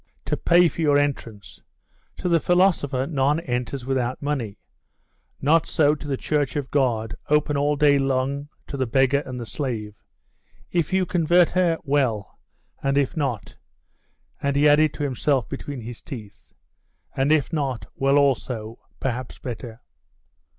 'To pay for your entrance. To the philosopher none enters without money. Not so to the Church of God, open all day long to the beggar and the slave. If you convert her, well. And if not'.... And he added to himself between his teeth, 'And if not, well also perhaps better.